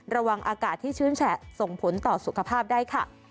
ระวังอากาศที่ชื้นแฉะส่งผลต่อสุขภาพได้ค่ะ